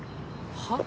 はっ？